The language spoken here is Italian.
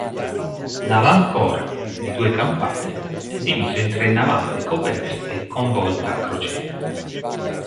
L'avancorpo, di due campate, è diviso in tre navate coperte con volta a crociera.